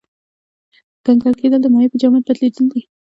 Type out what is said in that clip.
کنګل کېدل د مایع په جامد بدلیدل دي.